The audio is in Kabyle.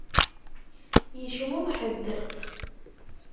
Yecmumeḥ-d.